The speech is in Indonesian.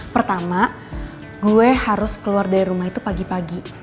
pertama gue harus keluar dari rumah itu pagi pagi